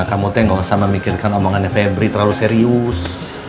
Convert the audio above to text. kamu tuh gak usah memikirkan omongannya febri terlalu serius